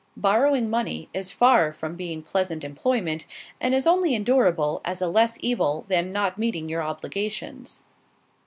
Borrowing money is far from being pleasant employment, and is only endurable as a less evil than not meeting your obligations.